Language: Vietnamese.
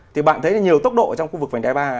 thì bạn thấy nhiều tốc độ trong khu vực vành đài ba